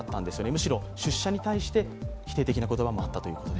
むしろ出社に対して否定的な言葉もあったということで。